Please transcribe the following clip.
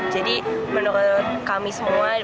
jadi menurut saya ini adalah satu dari banyak yang saya ingin lihat